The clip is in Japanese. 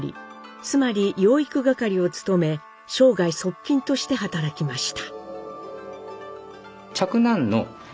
つまり養育係を務め生涯側近として働きました。